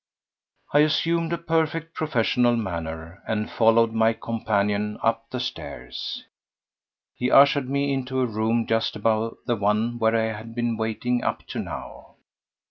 I assumed a perfect professional manner and followed my companion up the stairs. He ushered me into a room just above the one where I had been waiting up to now.